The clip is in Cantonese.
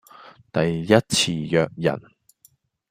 第一次約人